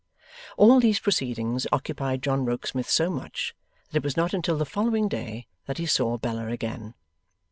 All these proceedings occupied John Rokesmith so much, that it was not until the following day that he saw Bella again.